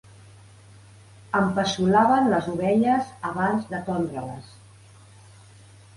Empeçolaven les ovelles abans de tondre-les.